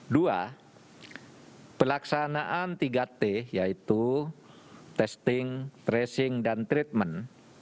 dua pelaksanaan tiga t yaitu testing tracing dan treatment